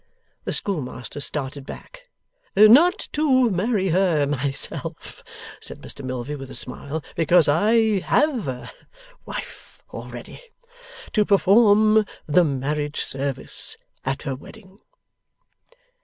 The schoolmaster started back. 'Not to marry her, myself,' said Mr Milvey, with a smile, 'because I have a wife already. To perform the marriage service at her wedding.